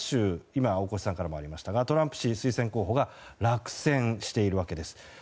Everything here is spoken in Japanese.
今、大越さんからもありましたがトランプ氏推薦候補が落選しているわけです。